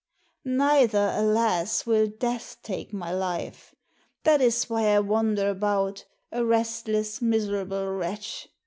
Neither, alas, will Death take my life. That is why I wander about, a restless, miserable wretch.